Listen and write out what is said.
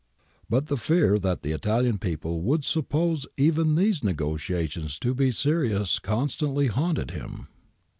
'^ But the fear that the Italian people would suppose even these negotiations to be serious constantly haunted him.